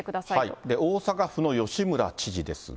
大阪府の吉村知事ですが。